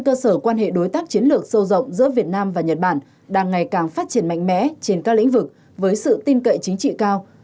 cơ sở quan hệ đối tác chiến lược sâu rộng giữa việt nam và nhật bản đang ngày càng phát triển mạnh mẽ trên các lĩnh vực với sự tin cậy chính trị cao